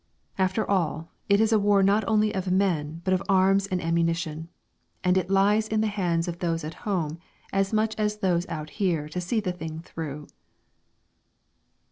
After all, it is a war not only of men, but of arms and ammunition, and it lies in the hands of those at home as much as those out here to see the thing through.